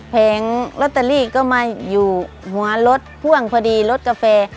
แผงลอตเตอรี่ก็มาอยู่หัวรถพ่วงพอดีรถกาแฟ